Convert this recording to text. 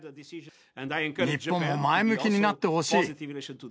日本も前向きになってほしい。